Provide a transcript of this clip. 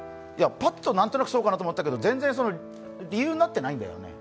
パッと何となくそうかなと思ったんだけど、全然理由になってないんだよね。